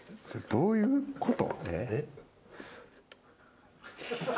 どういうこと？